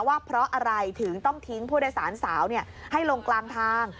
ว่าเพราะอะไรถึงต้องทิ้งผู้โดยสารสาวให้ลงกลางทาง